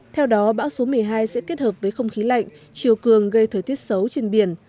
theo đó bão số một mươi hai sẽ kết hợp với không khí lạnh chiều cường gây thời tiết xấu trên biển